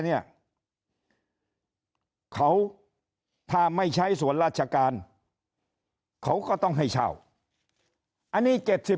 อันนี้เขาถ้าไม่ใช้ส่วนราชการเขาก็ต้องให้เช่าอันนี้๗๐